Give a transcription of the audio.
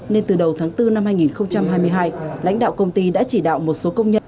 nên từ đầu tháng bốn năm hai nghìn hai mươi hai lãnh đạo công ty đã chỉ đạo một số công nhân